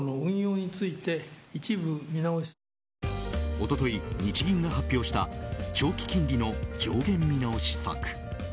一昨日、日銀が発表した長期金利の上限見直し策。